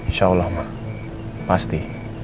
insyaallah ma pasti